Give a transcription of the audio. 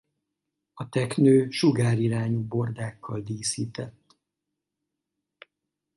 A teknő sugárirányú bordákkal díszített.